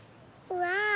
うわああ。